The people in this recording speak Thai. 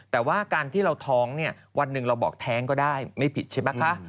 แต่ว่าการที่เราท้องเนี่ยวันหนึ่งเราบอกแท้งก็ได้ไม่ผิดใช่ไหมคะ